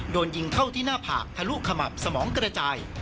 โดนยิงเข้าที่หน้าผากทะลุขมับสมองกระจาย